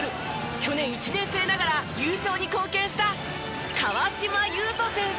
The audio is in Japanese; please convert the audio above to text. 去年１年生ながら優勝に貢献した川島悠翔選手。